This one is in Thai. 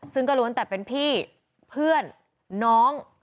ซึ่งก็ล้วนแต่เป็นพี่เพื่อนน้อง